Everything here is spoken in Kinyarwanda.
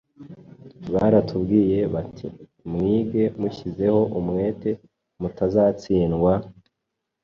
Baratubwiye bati: “Mwige mushyizeho umwete mutazatsindwa.”